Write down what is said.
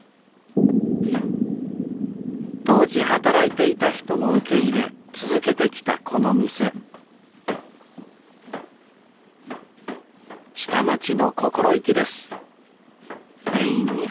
当時働いていた人も受け入れ続けてきたこの店下町の心意気です